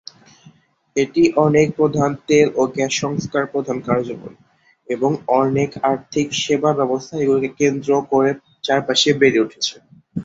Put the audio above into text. এটি অনেক প্রধান তেল ও গ্যাস সংস্থার প্রধান কার্যালয়, এবং অনেক আর্থিক সেবা ব্যবসা সেগুলোকে কেন্দ্র করে চারপাশে বেড়ে উঠেছে।